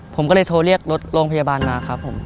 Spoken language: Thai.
ผมก็เลยโทรเรียกรถโรงพยาบาลมาครับผม